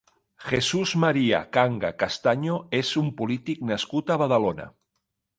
Jesús María Canga Castaño és un polític nascut a Badalona.